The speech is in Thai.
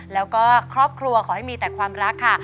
แล้วก็ครอบครัวขอให้มีแต่ความรักค่ะ